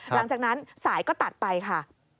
หลังจากนั้นสายก็ตัดไปค่ะ